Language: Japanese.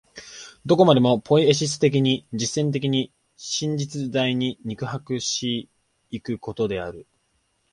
どこまでもポイエシス的に、実践的に、真実在に肉迫し行くことである。